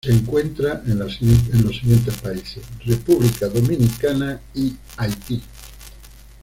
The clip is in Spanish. Se encuentra en los siguientes países: República Dominicana y Haití.